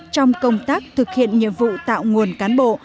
trong công tác thực hiện nhiệm vụ tạo nguồn cán bộ